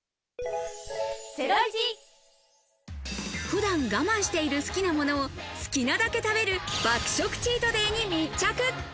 普段我慢している好きなものを、好きなだけ食べる、爆食チートデイに密着！